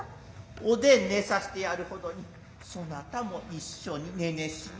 おでん寝さしてやる程にそなたも一緒に寝々しや。